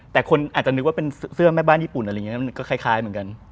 แต่คนอาจจะนึกว่าเป็นเสื้อแม่บ้านญี่ปุ่นอะไรอย่างนี้มันก็คล้ายเหมือนกัน